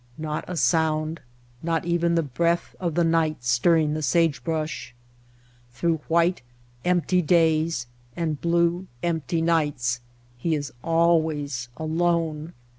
Not a sound, not even the breath of the night stirring the sagebrush. Through white, empty days and blue, empty nights he is always alone.